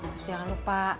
terus jangan lupa